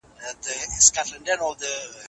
زه به تر راتلونکي کال پورې نوی باغ جوړ کړم.